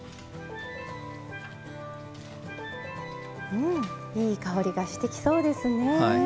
うんいい香りがしてきそうですね。